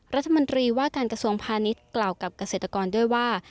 รัฐมนตรีว่าการกระทรวงพาณิชย์กล่าวกับเกษตรกรด้วยว่า